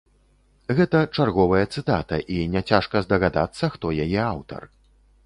Гэта чарговая цытата, і няцяжка здагадацца, хто яе аўтар.